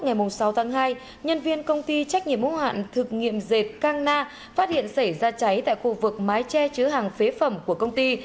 ngày sáu tháng hai nhân viên công ty trách nhiệm mô hạn thực nghiệm dệt cang na phát hiện xảy ra cháy tại khu vực mái tre chứa hàng phế phẩm của công ty